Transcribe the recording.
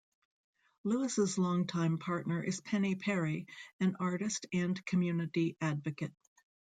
Louis' long-time partner is Penny Parry, an artist and community advocate.